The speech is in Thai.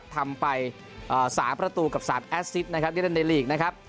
ทำไปสาประตูกับสาปแอซสิดในลีก